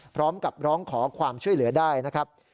พร้อมกับร้องขอความช่วยเหลือได้นะครับ